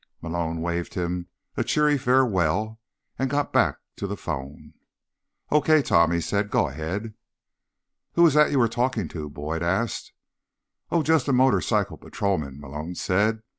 Malone waved him a cheery farewell, and got back to the phone. "Okay, Tom," he said. "Go ahead." "Who was that you were talking to?" Boyd asked. "Oh, just a motorcycle patrolman," Malone said.